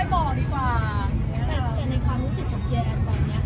ไว้เพื่อบอกดิกว่าแต่ในความรู้สึกของเธอเองตอนเนี้ย